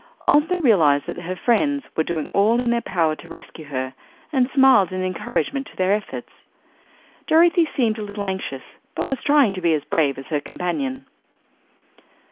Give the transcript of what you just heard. Ozma realized that her friends were doing all in their power to rescue her and smiled an encouragement to their efforts. Dorothy seemed a little anxious but was trying to be as brave as her companion.